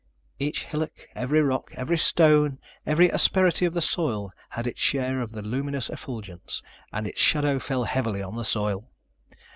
Each hillock, every rock, every stone, every asperity of the soil had its share of the luminous effulgence, and its shadow fell heavily on the soil.